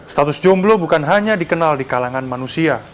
status jomblo bukan hanya dikenal di kalangan manusia